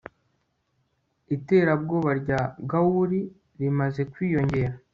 Iterabwoba rya Gauli rimaze kwiyongera